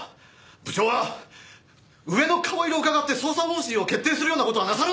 部長は上の顔色をうかがって捜査方針を決定するような事はなさらない！